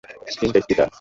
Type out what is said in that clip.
তিনটা স্ত্রী তার!